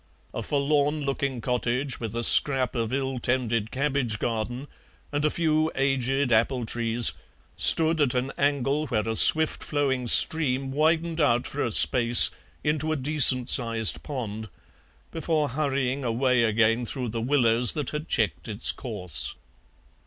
A forlorn looking cottage with a scrap of ill tended cabbage garden and a few aged apple trees stood at an angle where a swift flowing stream widened out for a space into a decent sized pond before hurrying away again through the willows that had checked its course.